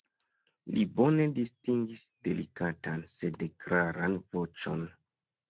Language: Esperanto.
Li bone distingis delikatan, sed klaran voĉon.